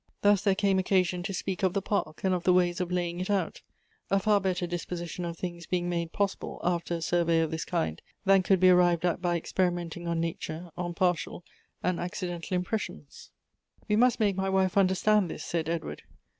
Thus there came occasion to speak of the park, and of the ways of laying it out ; a far better disposition of things being made possible after a survey of this kind, than could be arrived at by experimenting on nature, on partial and accidental impressions. " We must make my wife understand this,'' said Edward.